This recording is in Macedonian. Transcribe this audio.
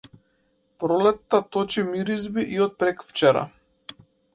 Пролетта точи миризби и од преквчера.